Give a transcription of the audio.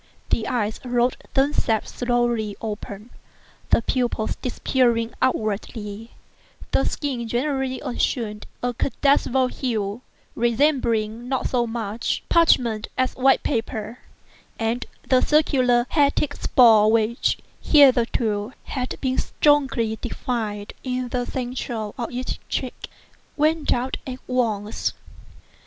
The eyes rolled themselves slowly open, the pupils disappearing upwardly; the skin generally assumed a cadaverous hue, resembling not so much parchment as white paper; and the circular hectic spots which, hitherto, had been strongly defined in the centre of each cheek, went out at once.